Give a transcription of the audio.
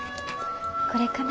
これかな？